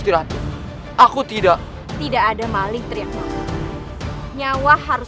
karena aku akan selalu setia padamu